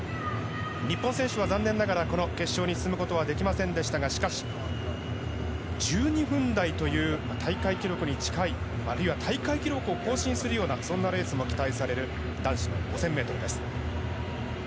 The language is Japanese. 日本選手は残念ながら決勝に進むことはできませんでしたが１２分台という大会記録に近いあるいは大会記録を更新するようなそんなレースも期待される男子の５０００ｍです。